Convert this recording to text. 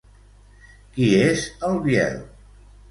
Qui és el Biel?